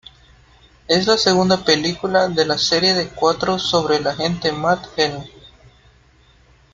Es la segunda película de la serie de cuatro sobre el agente Matt Helm.